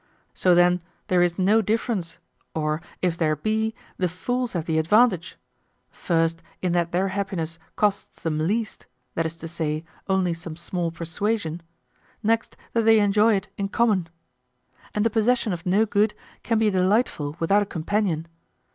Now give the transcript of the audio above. So then there is no difference; or, if there be, the fools have the advantage: first, in that their happiness costs them least, that is to say, only some small persuasion; next, that they enjoy it in common. And the possession of no good can be delightful without a companion.